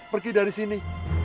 pergi dari sini